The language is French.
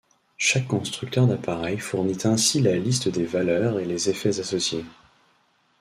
Chaque constructeur d'appareil fournit ainsi la liste des valeurs et les effets associés.